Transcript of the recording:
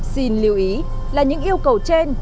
xin lưu ý là những yêu cầu trên